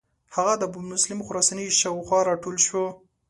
هغه د ابومسلم خراساني شاو خوا را ټول شو.